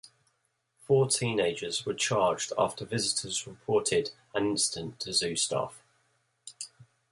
Four teenagers were charged after visitors reported an incident to zoo staff.